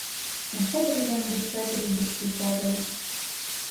На щедру землю щедрі й дощі падають.